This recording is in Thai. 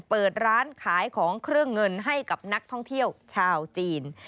เปิดร้านขายของเครื่องเงินให้กับนักท่องเที่ยวชาวจีน